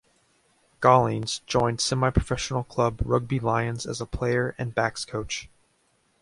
Gollings joined semi-professional club Rugby Lions as a player and backs coach.